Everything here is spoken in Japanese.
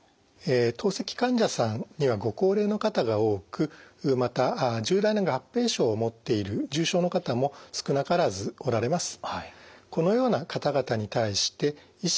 透析患者さんにはご高齢の方が多くまた重大な合併症を持っている重症の方も少なからずおられます。